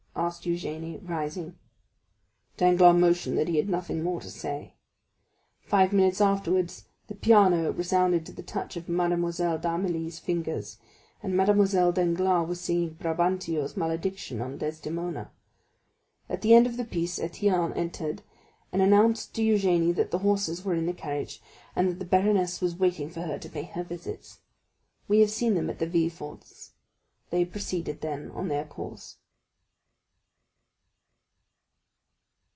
asked Eugénie, rising. Danglars motioned that he had nothing more to say. Five minutes afterwards the piano resounded to the touch of Mademoiselle d'Armilly's fingers, and Mademoiselle Danglars was singing Brabantio's malediction on Desdemona. At the end of the piece Étienne entered, and announced to Eugénie that the horses were to the carriage, and that the baroness was waiting for her to pay her visits. We have seen them at Villefort's; they proceeded then on their course.